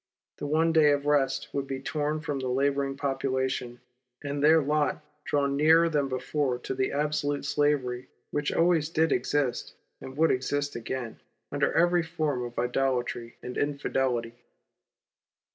The one day of rest would be torn from the labouring population, and their lot drawn nearer than before to that absolute slavery which always did exist, and would exist again, under every form of Idolatry and Infidelity.